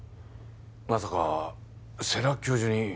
まさか世良教授に？